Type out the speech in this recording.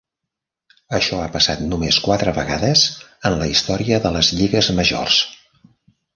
Això ha passat només quatre vegades en la història de les lligues majors.